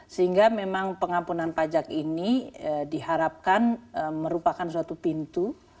sehingga memang pengampunan pajak ini diharapkan merupakan suatu pintu